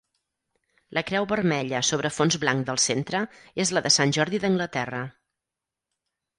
La creu vermella sobre fons blanc del centre, és la de Sant Jordi d'Anglaterra.